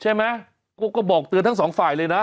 ใช่ไหมก็บอกเตือนทั้งสองฝ่ายเลยนะ